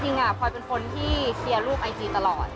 จริงอะปล่อยเป็นคนที่เครียร์รูปไอจีตลอด